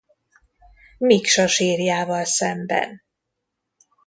Miksa sírjával szemben.